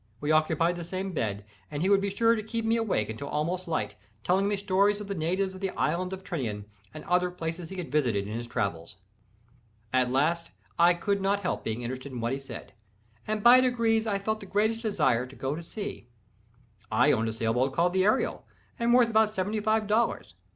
We occupied the same bed, and he would be sure to keep me awake until almost light, telling me stories of the natives of the Island of Tinian, and other places he had visited in his travels. At last I could not help being interested in what he said, and by degrees I felt the greatest desire to go to sea. I owned a sailboat called the Ariel, and worth about seventy five dollars.